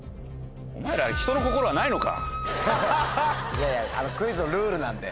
いやいやクイズのルールなんで。